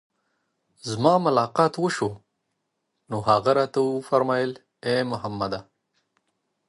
زما ملاقات وشو، نو هغه راته وفرمايل: اې محمد!